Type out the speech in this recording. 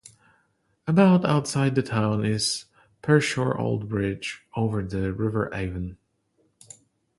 About outside the town is Pershore Old Bridge over the River Avon.